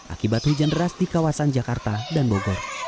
akibat hujan deras di kawasan jakarta dan bogor